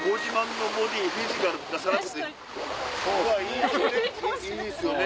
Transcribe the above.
いいですよね？